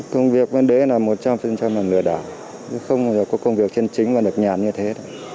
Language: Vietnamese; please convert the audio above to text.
công việc bên đấy là một trăm linh là lừa đảo không có công việc kiên chính và lực nhãn như thế